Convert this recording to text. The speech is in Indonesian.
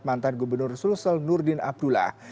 mantan gubernur sulsel nurdin abdullah